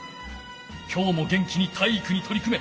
今日も元気に体育に取り組め！